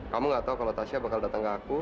kamu nggak tahu kalau tasya bakal datang ke aku